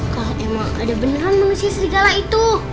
kalau emang ada beneran monster serigala itu